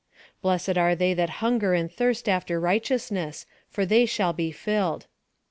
" Blessed are they that hunger and thirst after righteousness, for they shall be filled."